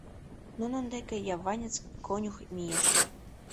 Нунын деке яванец-конюх мийыш.